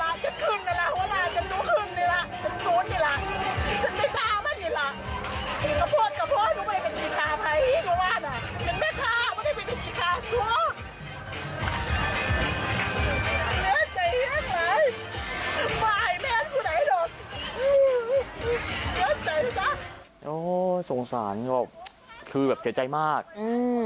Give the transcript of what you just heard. โอ้โหสงสารเขาคือแบบเสียใจมากอืม